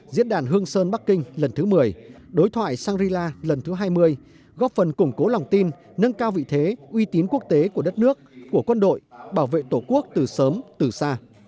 diễn đàn hương sơn bắc kinh lần thứ một mươi đối thoại shangri la lần thứ hai mươi góp phần củng cố lòng tin nâng cao vị thế uy tín quốc tế của đất nước của quân đội bảo vệ tổ quốc từ sớm từ xa